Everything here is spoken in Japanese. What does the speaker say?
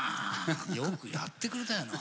よくやってくれたよな。